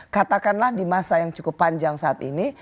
katakanlah di masa yang cukup panjang saat ini